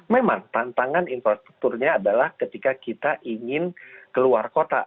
memang tantangan infrastrukturnya adalah ketika kita ingin keluar kota